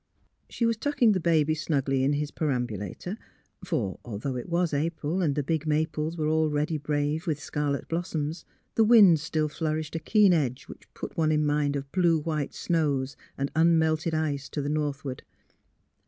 She was tucking the baby snugly into his per ambulator — for, though it was April and the big maples were already brave with scarlet blossoms, the wind still flourished a keen edge which put one in mind of blue white snows and unmelted ice to the northward.